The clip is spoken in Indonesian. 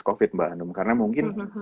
covid mbak hanum karena mungkin